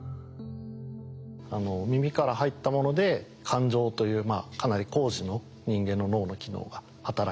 耳から入ったもので感情というかなり高次の人間の脳の機能が働く。